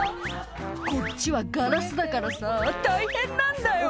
「こっちはガラスだからさ大変なんだよ」